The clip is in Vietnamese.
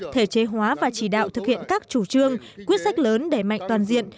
thể chế hóa và chỉ đạo thực hiện các chủ trương quyết sách lớn để mạnh toàn diện